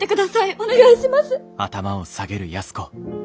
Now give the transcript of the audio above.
お願いします。